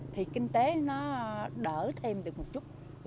thì kinh tế nó đỡ thêm được một chút